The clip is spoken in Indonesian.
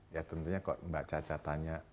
ya tentunya kok mbak caca tanya